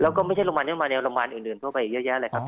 แล้วก็ไม่ใช่โรงพยาบาลที่มาในโรงพยาบาลอื่นทั่วไปเยอะแยะเลยครับ